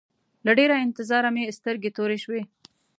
له ډېره انتظاره مې سترګې تورې شوې.